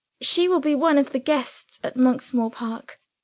She will be one of the guests at Monksmoor Park.